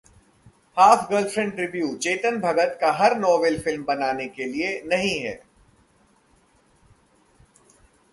half girlfriend Review: Chetan Bhagat का हर novel film बनाने के लिए नहीं है